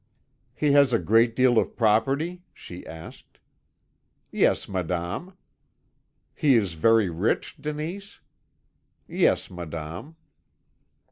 "'He has a great deal of property?' she asked. "'Yes, madame.' "'He is very rich, Denise?' "'Yes, madame.'